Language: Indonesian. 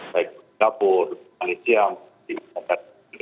baik di dapur di malaysia di indonesia